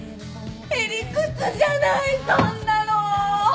へ理屈じゃないそんなの！